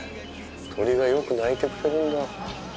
鳥がよく鳴いてくれるんだ。